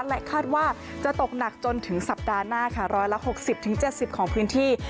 และคาดว่าจะตกหนักจนถึงสัปดาห์หน้าค่ะร้อยละหกสิบถึงเจ็ดสิบของพื้นที่